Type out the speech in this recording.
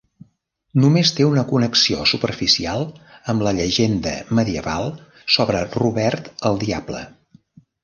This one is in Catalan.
Només té una connexió superficial amb la llegenda medieval sobre Robert el Diable.